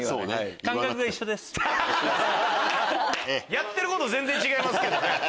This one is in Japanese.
やってること全然違いますけどね。